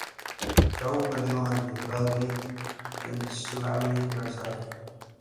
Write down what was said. Shaw perdió ante Bradley en Slammiversary.